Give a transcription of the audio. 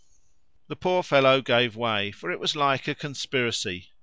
The poor fellow gave way, for it was like a conspiracy.